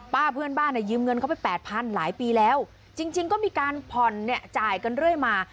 ป้าเพื่อนบ้านยืมเงินเขาไป๘๐๐๐หลายปีแล้วจริงก็มีการผ่อนจ่ายกันเรื่อยมา